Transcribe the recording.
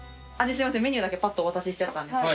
メニューだけぱっとお渡ししちゃったんですけど。